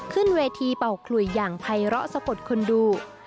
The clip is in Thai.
ขึ้นเวทีเป่าขลุยอย่างภัยร้อสะกดคนดู